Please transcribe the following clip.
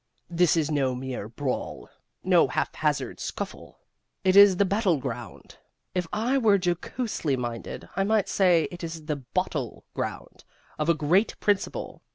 This is no mere brawl, no haphazard scuffle: it is the battle ground if I were jocosely minded I might say it is the bottle ground of a great principle.